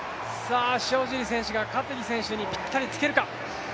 塩尻選手がカティル選手にぴったりつけるか。